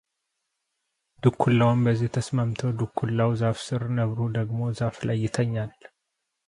ድኩላውም በዚህ ተስማምቶ ድኩላው ዛፍ ስር፣ ነብሩ ደግሞ ዛፉ ላይ ይተኛሉ፡፡